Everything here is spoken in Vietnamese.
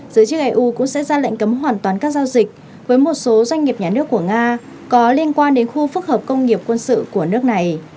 giới chức eu cũng sẽ ra lệnh cấm hoàn toàn các giao dịch với một số doanh nghiệp nhà nước của nga có liên quan đến khu phức hợp công nghiệp quân sự của nước này